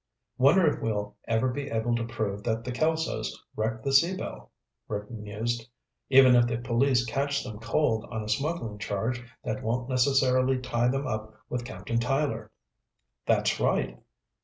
"Wonder if we'll ever be able to prove that the Kelsos wrecked the Sea Belle?" Rick mused. "Even if the police catch them cold on a smuggling charge that won't necessarily tie them up with Captain Tyler." "That's right."